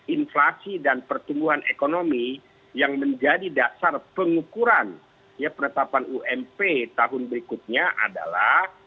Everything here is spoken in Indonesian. inflasi dan pertumbuhan ekonomi yang menjadi dasar pengukuran penetapan ump tahun berikutnya adalah